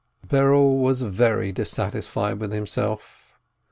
Berel was very dissatisfied with himself.